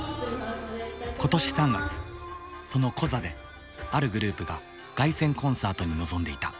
今年３月そのコザであるグループが凱旋コンサートに臨んでいた。